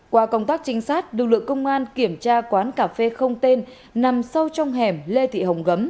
qua công tác trinh sát lực lượng công an kiểm tra quán cà phê không tên nằm sâu trong hẻm lê thị hồng gấm